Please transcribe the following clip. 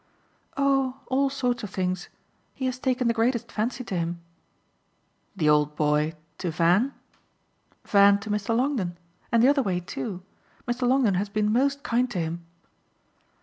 "Oh all sorts of things. He has taken the greatest fancy to him." "The old boy to Van?" "Van to Mr. Longdon. And the other way too. Mr. Longdon has been most kind to him."